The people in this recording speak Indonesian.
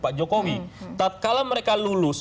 pak jokowi kalau mereka lulus